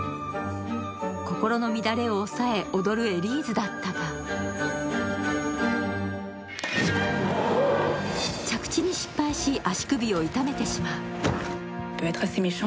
心の乱れを抑え踊るエリーズだったが着地に失敗し足首を痛めてしまう。